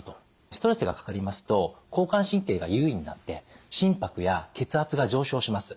ストレスがかかりますと交感神経が優位になって心拍や血圧が上昇します。